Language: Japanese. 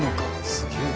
すげえな。